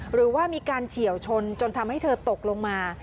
หรือว่ามีการเฉียวชนจนทำให้เธอตกลงมา